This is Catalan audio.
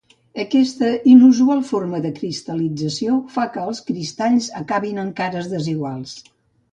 Aquesta inusual forma de cristal·lització fa que els cristalls acabin en cares desiguals.